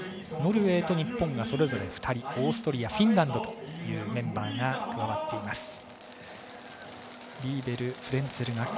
ノルウェーと日本がそれぞれ２人オーストリアフィンランドというメンバーが加わっています。